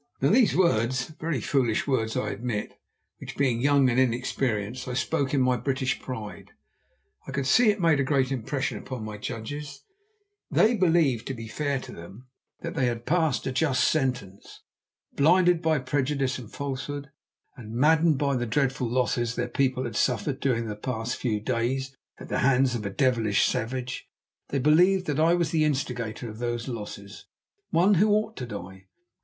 Now these words, very foolish words, I admit, which being young and inexperienced I spoke in my British pride, I could see made a great impression upon my judges. They believed, to be fair to them, that they had passed a just sentence. Blinded by prejudice and falsehood, and maddened by the dreadful losses their people had suffered during the past few days at the hands of a devilish savage, they believed that I was the instigator of those losses, one who ought to die.